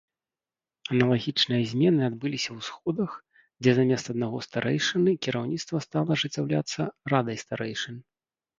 Аналагічныя змены адбыліся ў сходах, дзе замест аднаго старэйшыны кіраўніцтва стала ажыццяўляцца радай старэйшын.